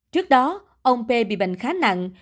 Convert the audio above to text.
trước đó ông p bị bệnh khá nặng